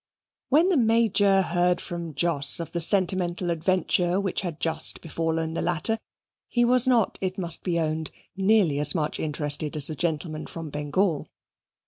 When the Major heard from Jos of the sentimental adventure which had just befallen the latter, he was not, it must be owned, nearly as much interested as the gentleman from Bengal.